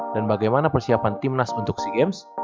dan bagaimana persiapan tim nas untuk sea games